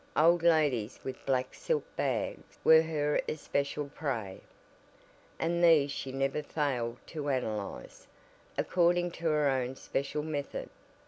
Old ladies with black silk bags were her especial prey, and these she never failed to analyze according to her own special method.